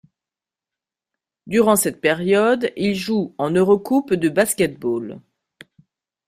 Durant cette période il joue en EuroCoupe de basket-ball.